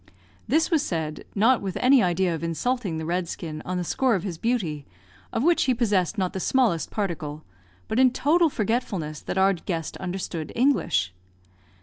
This was said, not with any idea of insulting the red skin on the score of his beauty, of which he possessed not the smallest particle, but in total forgetfulness that our guest understood English.